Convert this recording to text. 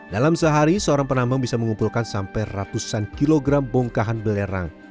dalam sehari seorang penambang bisa mengumpulkan sampai ratusan kilogram bongkahan belerang